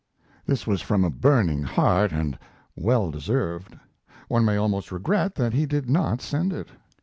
This was from a burning heart and well deserved. One may almost regret that he did not send it.